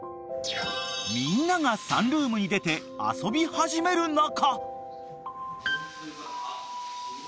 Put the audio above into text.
［みんながサンルームに出て遊び始める中］